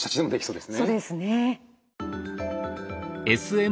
そうですね。